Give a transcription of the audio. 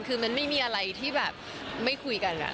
คือมันไม่มีอะไรที่แบบไม่คุยกัน